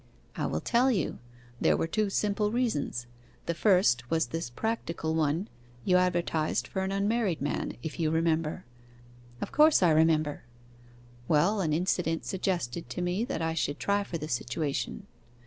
'I will tell you. There were two simple reasons. The first was this practical one; you advertised for an unmarried man, if you remember?' 'Of course I remember.' 'Well, an incident suggested to me that I should try for the situation.